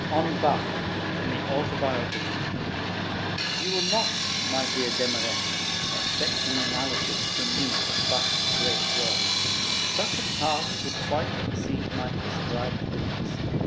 ON BACH From the Autobiography You will not, my dear Demarest, expect an analysis from me of Bach's great work: such a task would quite exceed my prescribed limits.